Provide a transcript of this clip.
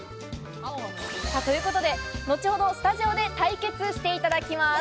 ということで後ほどスタジオで対決していただきます。